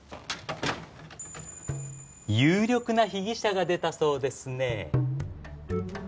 有力な被疑者が出たそうですね。